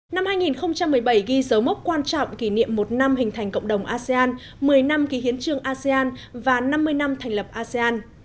năm hai nghìn một mươi bảy ghi dấu mốc quan trọng kỷ niệm một năm hình thành cộng đồng asean một mươi năm ký hiến trương asean và năm mươi năm thành lập asean